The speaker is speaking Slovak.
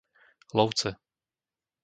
Lovce